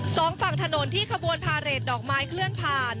สองฝั่งถนนที่ขบวนพาเรทดอกไม้เคลื่อนผ่าน